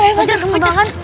fajar teman teman